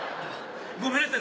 ごめんなさい。